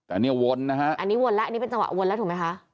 อันนี้วนนะฮะอันนี้วนแล้วอันนี้เป็นจังหวะวนแล้วถูกไหมคะ